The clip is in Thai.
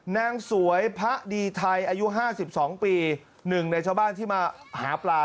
นางสวยพระดีไทยอายุ๕๒ปี๑ในชาวบ้านที่มาหาปลา